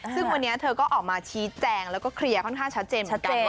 ซึ่งวันนี้เธอก็ออกมาชี้แจงแล้วก็เคลียร์ค่อนข้างชัดเจนเหมือนกันว่า